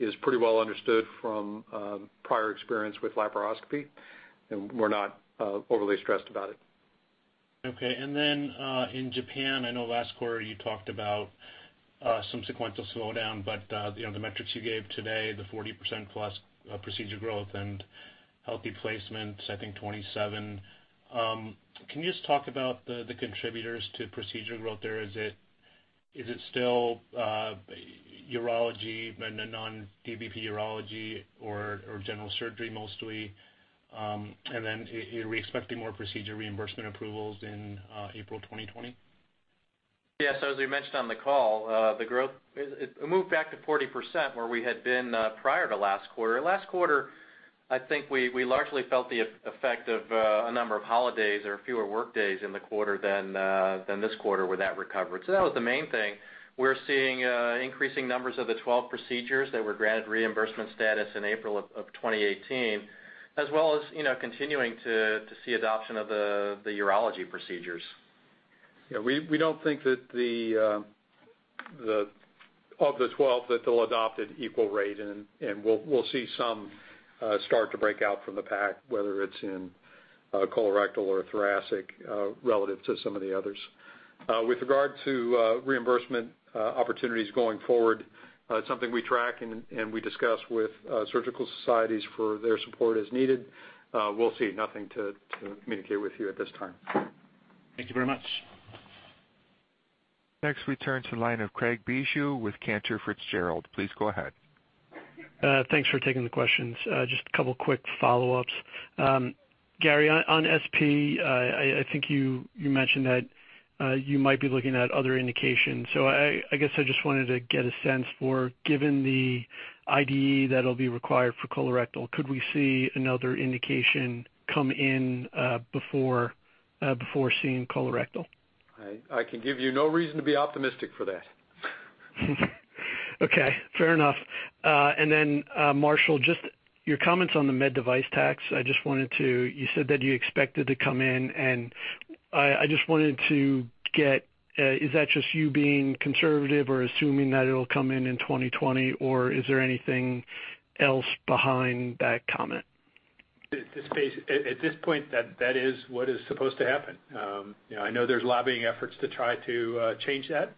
is pretty well understood from prior experience with laparoscopy, and we're not overly stressed about it. Okay. In Japan, I know last quarter you talked about some sequential slowdown, the metrics you gave today, the 40%+ procedure growth and healthy placements, I think 27. Can you just talk about the contributors to procedure growth there? Is it still urology and the non-dVP urology or general surgery mostly? Are we expecting more procedure reimbursement approvals in April 2020? Yes. As we mentioned on the call, the growth, it moved back to 40% where we had been prior to last quarter. Last quarter, I think we largely felt the effect of a number of holidays or fewer work days in the quarter than this quarter where that recovered. That was the main thing. We're seeing increasing numbers of the 12 procedures that were granted reimbursement status in April of 2018, as well as continuing to see adoption of the urology procedures. Yeah, we don't think that of the 12, that they'll adopt at equal rate, and we'll see some start to break out from the pack, whether it's in colorectal or thoracic, relative to some of the others. With regard to reimbursement opportunities going forward, it's something we track and we discuss with surgical societies for their support as needed. We'll see. Nothing to communicate with you at this time. Thank you very much. Next, we turn to the line of Craig Bijou with Cantor Fitzgerald. Please go ahead. Thanks for taking the questions. Just a couple quick follow-ups. Gary, on SP, I think you mentioned that you might be looking at other indications. I guess I just wanted to get a sense for, given the IDE that'll be required for colorectal, could we see another indication come in before seeing colorectal? I can give you no reason to be optimistic for that. Okay, fair enough. Marshall, just your comments on the med device tax, you said that you expect it to come in, and I just wanted to get, is that just you being conservative or assuming that it'll come in in 2020, or is there anything else behind that comment? At this point, that is what is supposed to happen. I know there's lobbying efforts to try to change that,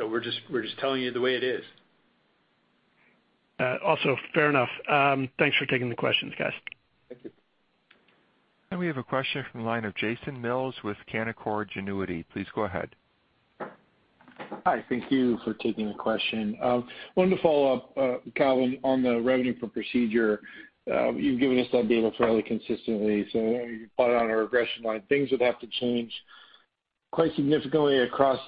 we're just telling you the way it is. Fair enough. Thanks for taking the questions, guys. Thank you. We have a question from the line of Jason Mills with Canaccord Genuity. Please go ahead. Hi, thank you for taking the question. Wanted to follow up, Calvin, on the revenue per procedure. You've given us that data fairly consistently, so you can plot it on a regression line. Things would have to change quite significantly across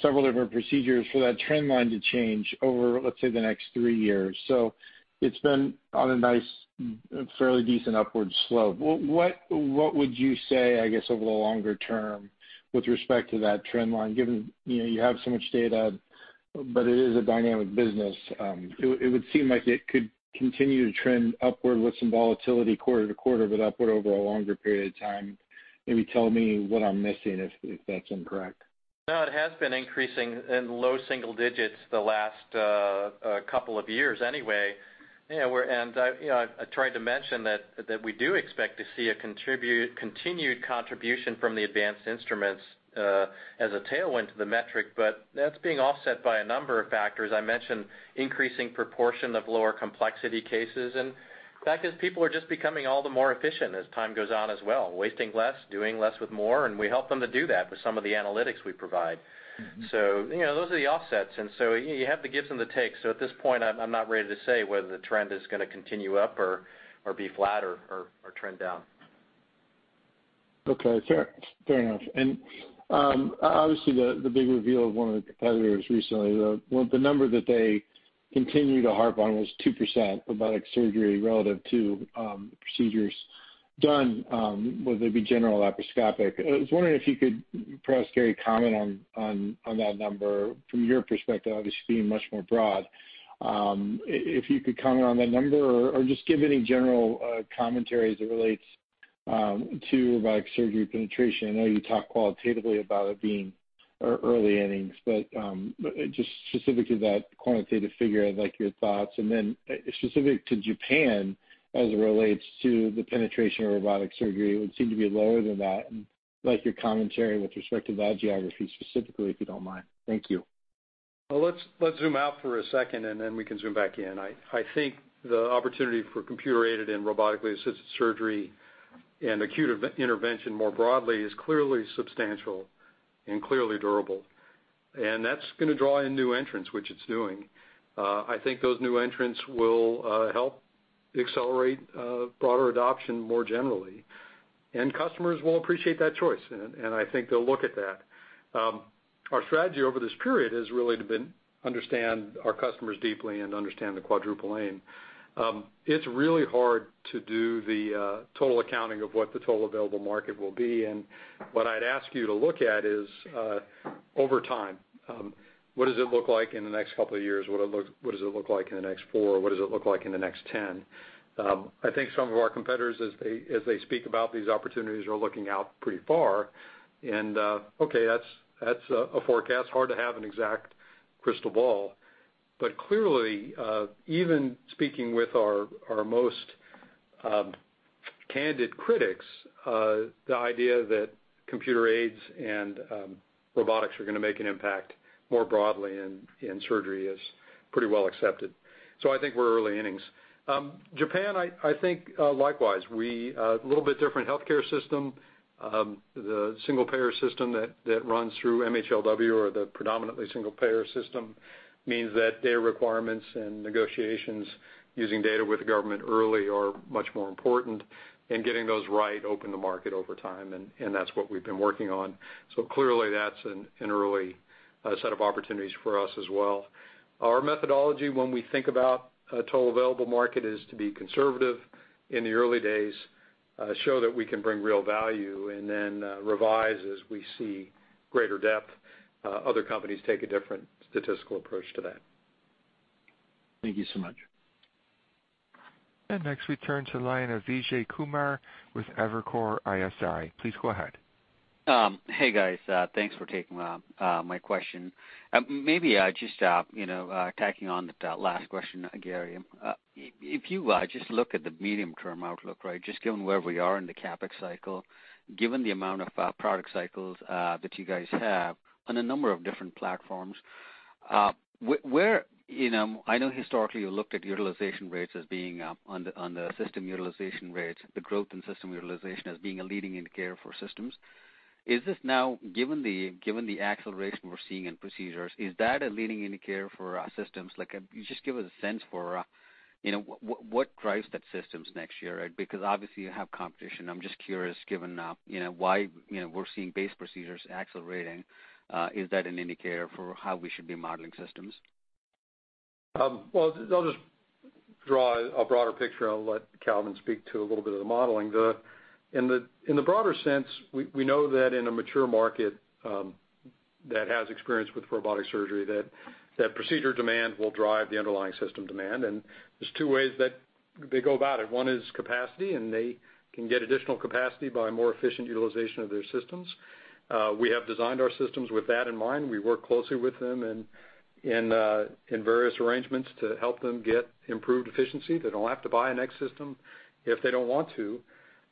several different procedures for that trend line to change over, let's say, the next three years. It's been on a nice, fairly decent upward slope. What would you say, I guess, over the longer term with respect to that trend line, given you have so much data, but it is a dynamic business. It would seem like it could continue to trend upward with some volatility quarter-to-quarter, but upward over a longer period of time. Maybe tell me what I'm missing if that's incorrect. No, it has been increasing in low single digits the last couple of years anyway. I tried to mention that we do expect to see a continued contribution from the advanced instruments as a tailwind to the metric. That's being offset by a number of factors. I mentioned increasing proportion of lower complexity cases. The fact is people are just becoming all the more efficient as time goes on as well. Wasting less, doing less with more. We help them to do that with some of the analytics we provide. Those are the offsets, and so you have the gives and the takes. At this point, I'm not ready to say whether the trend is going to continue up or be flat or trend down. Okay. Fair enough. Obviously the big reveal of one of the competitors recently, the number that they continue to harp on was 2% robotic surgery relative to procedures done, whether they be general or laparoscopic. I was wondering if you could perhaps, Gary, comment on that number from your perspective, obviously being much more broad. If you could comment on that number or just give any general commentary as it relates to robotic surgery penetration, I know you talk qualitatively about it being early innings, but just specifically that quantitative figure, I'd like your thoughts. Then specific to Japan as it relates to the penetration of robotic surgery, it would seem to be lower than that, and I'd like your commentary with respect to that geography specifically, if you don't mind. Thank you. Well, let's zoom out for a second, and then we can zoom back in. I think the opportunity for computer-aided and robotically assisted surgery and acute intervention more broadly is clearly substantial and clearly durable. That's going to draw in new entrants, which it's doing. I think those new entrants will help accelerate broader adoption more generally, customers will appreciate that choice. I think they'll look at that. Our strategy over this period has really been to understand our customers deeply and understand the Quadruple Aim. It's really hard to do the total accounting of what the total available market will be. What I'd ask you to look at is, over time, what does it look like in the next couple of years? What does it look like in the next four? What does it look like in the next 10? I think some of our competitors, as they speak about these opportunities, are looking out pretty far and, okay, that's a forecast. Hard to have an exact crystal ball. Clearly, even speaking with our most candid critics, the idea that computer aids and robotics are going to make an impact more broadly in surgery is pretty well accepted. I think we're early innings. Japan, I think likewise. A little bit different healthcare system. The single-payer system that runs through MHLW, or the predominantly single-payer system, means that their requirements and negotiations using data with the government early are much more important. Getting those right open the market over time, and that's what we've been working on. Clearly, that's an early set of opportunities for us as well. Our methodology when we think about total available market is to be conservative in the early days, show that we can bring real value, and then revise as we see greater depth. Other companies take a different statistical approach to that. Thank you so much. Next, we turn to the line of Vijay Kumar with Evercore ISI. Please go ahead. Hey, guys. Thanks for taking my question. Maybe just tacking on to that last question, Gary. If you just look at the medium-term outlook, just given where we are in the CapEx cycle, given the amount of product cycles that you guys have on a number of different platforms, I know historically you looked at the growth in system utilization as being a leading indicator for systems. Given the acceleration we're seeing in procedures, is that a leading indicator for systems? Can you just give us a sense for what drives that systems next year? Obviously, you have competition. I'm just curious, given why we're seeing base procedures accelerating, is that an indicator for how we should be modeling systems? Well, I'll just draw a broader picture. I'll let Calvin speak to a little bit of the modeling. In the broader sense, we know that in a mature market that has experience with robotic surgery, that procedure demand will drive the underlying system demand. There's two ways that they go about it. One is capacity, and they can get additional capacity by more efficient utilization of their systems. We have designed our systems with that in mind. We work closely with them in various arrangements to help them get improved efficiency. They don't have to buy a next system if they don't want to.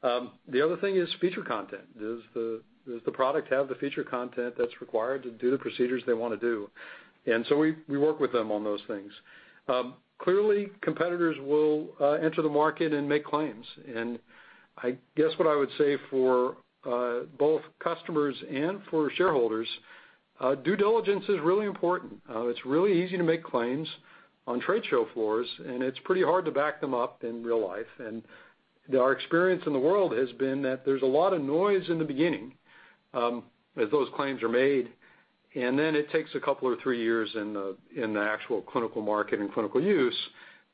The other thing is feature content. Does the product have the feature content that's required to do the procedures they want to do? We work with them on those things. Clearly, competitors will enter the market and make claims. I guess what I would say for both customers and for shareholders, due diligence is really important. It's really easy to make claims on trade show floors, and it's pretty hard to back them up in real life. Our experience in the world has been that there's a lot of noise in the beginning as those claims are made, and then it takes a couple or three years in the actual clinical market and clinical use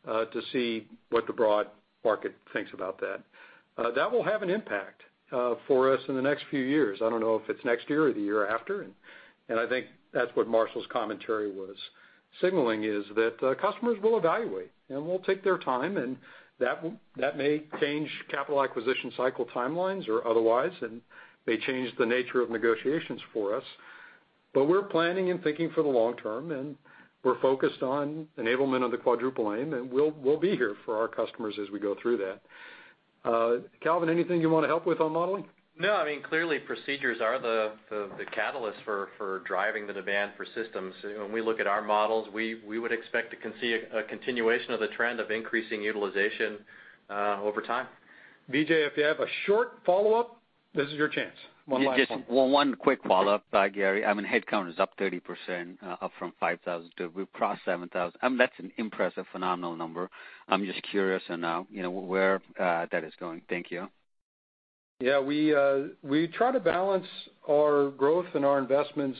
to see what the broad market thinks about that. That will have an impact for us in the next few years. I don't know if it's next year or the year after, and I think that's what Marshall's commentary was signaling is that customers will evaluate and will take their time, and that may change capital acquisition cycle timelines or otherwise, and may change the nature of negotiations for us. We're planning and thinking for the long term, and we're focused on enablement of the Quadruple Aim, and we'll be here for our customers as we go through that. Calvin, anything you want to help with on modeling? No, I mean, clearly, procedures are the catalyst for driving the demand for systems. When we look at our models, we would expect to see a continuation of the trend of increasing utilization over time. Vijay, if you have a short follow-up, this is your chance. One last one. Yeah, just one quick follow-up, Gary. I mean, headcount is up 30%, up from 5,000 to we've crossed 7,000. That's an impressive, phenomenal number. I'm just curious on where that is going. Thank you. Yeah, we try to balance our growth and our investments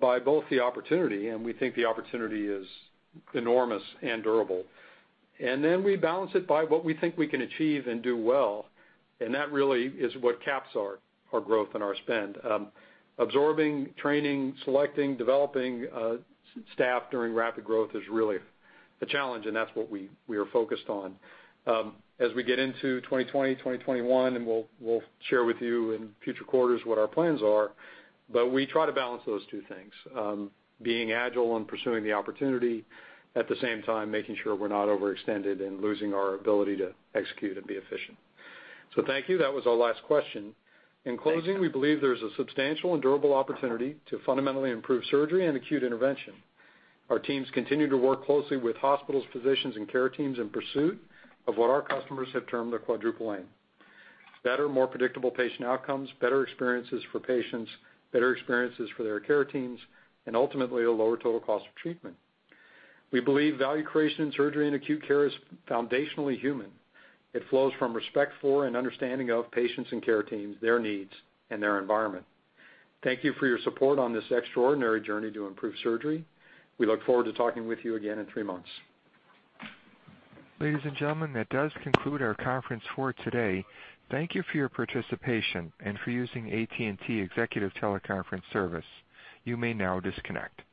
by both the opportunity. We think the opportunity is enormous and durable. We balance it by what we think we can achieve and do well. That really is what caps our growth and our spend. Absorbing, training, selecting, developing staff during rapid growth is really a challenge. That's what we are focused on. As we get into 2020, 2021, we'll share with you in future quarters what our plans are. We try to balance those two things. Being agile and pursuing the opportunity, at the same time, making sure we're not overextended and losing our ability to execute and be efficient. Thank you. That was our last question. Thanks. In closing, we believe there's a substantial and durable opportunity to fundamentally improve surgery and acute intervention. Our teams continue to work closely with hospitals, physicians, and care teams in pursuit of what our customers have termed the Quadruple Aim: better, more predictable patient outcomes, better experiences for patients, better experiences for their care teams, and ultimately, a lower total cost of treatment. We believe value creation in surgery and acute care is foundationally human. It flows from respect for and understanding of patients and care teams, their needs, and their environment. Thank you for your support on this extraordinary journey to improve surgery. We look forward to talking with you again in three months. Ladies and gentlemen, that does conclude our conference for today. Thank you for your participation and for using AT&T TeleConference Services. You may now disconnect.